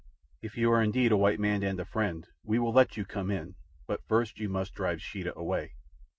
"If you are indeed a white man and a friend, we will let you come in; but first you must drive Sheeta away."